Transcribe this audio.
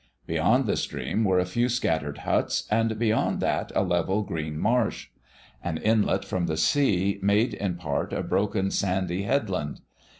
Beyond the stream were a few scattered huts, and beyond that a level, green marsh. An inlet from the sea made in part a broken, sandy headland.